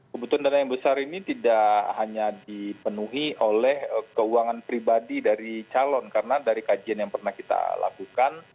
kebutuhan dana yang besar ini tidak hanya dipenuhi oleh keuangan pribadi dari calon karena dari kajian yang pernah kita lakukan